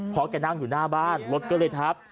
เพราะแกนั่งอยู่หน้าบ้านรถก็เลยทับ